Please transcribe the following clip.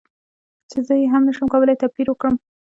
چې زه هم نشم کولی توپیر وکړم